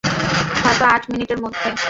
হয়তো আট মিনিটের মধ্যে!